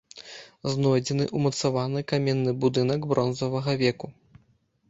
Знойдзены ўмацаваны каменны будынак бронзавага веку.